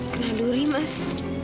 kena duri mas